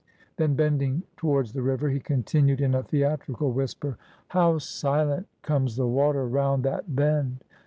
Then, bending towards the river, he continued in a theatrical whisper:— "How silent comes the water round that bend!